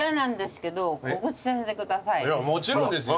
もちろんですよ。